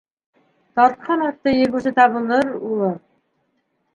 Тартҡан атты егеүсе табылыр, улым.